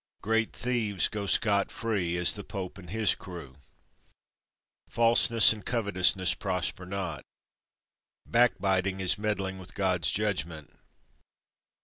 Great thieves go scot free, as the Pope and his crew. Falseness and covetousness prosper not. Backbiting is meddling with God's judgment.